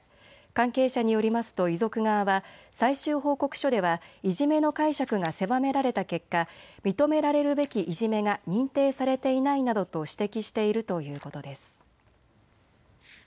関係者によりますと遺族側は最終報告書では、いじめの解釈が狭められた結果、認められるべきいじめが認定されていないなどと指摘しているということです。